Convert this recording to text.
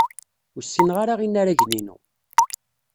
Ur ssineɣ ara inaragen-inu.